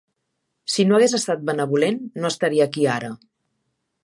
Si no hagués estat benevolent, no estaria aquí ara.